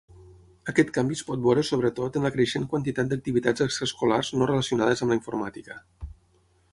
Aquest canvi es pot veure sobretot en la creixent quantitat d'activitats extraescolars no relacionades amb la informàtica.